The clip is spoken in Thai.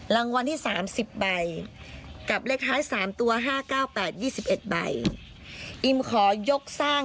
รางวัลที่๓๐ใบกับเลขท้าย๓ตัว๕๙๘๒๑ใบอิมขอยกสร้าง